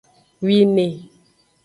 Wine.